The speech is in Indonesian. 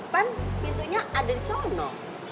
kan pintunya ada disono